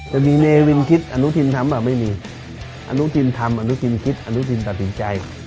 จะมีเมวิลคิดอนุทินธรรมหรือไม่มีอนุทินธรรมอนุทินคิดอนุทินตัดสินใจ